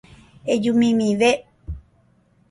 Ejumimive.